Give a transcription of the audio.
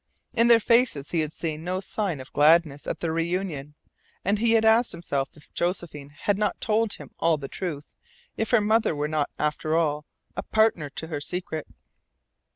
In their faces he had seen no sign of gladness at their reunion, and he asked himself if Josephine had told him all the truth if her mother were not, after all, a partner to her secret.